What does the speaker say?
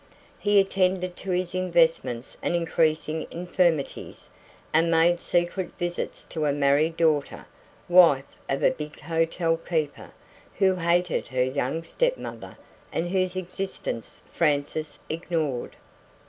He attended to his investments and increasing infirmities, and made secret visits to a married daughter (wife of a big hotel keeper), who hated her young step mother, and whose existence Frances ignored.